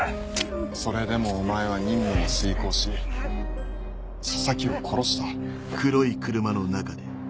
それでもお前は任務を遂行し佐々木を殺した。